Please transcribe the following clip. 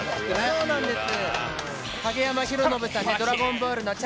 そうなんです。